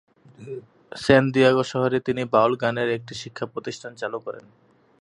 স্যান Diego শহরে তিনি বাউল গানের একটি শিক্ষাপ্রতিষ্ঠান চালু করেন।